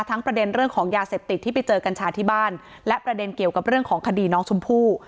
ประเด็นเรื่องของยาเสพติดที่ไปเจอกัญชาที่บ้านและประเด็นเกี่ยวกับเรื่องของคดีน้องชมพู่